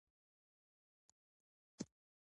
انسان کیدل زده کړئ